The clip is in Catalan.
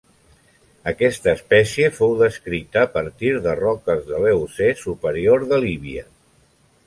Aquesta espècie fou descrita a partir de roques de l'Eocè superior de Líbia.